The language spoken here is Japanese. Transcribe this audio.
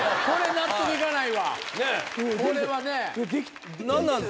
納得いかない！